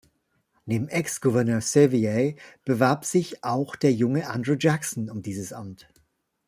Neben Ex-Gouverneur Sevier bewarb sich auch der junge Andrew Jackson um dieses Amt.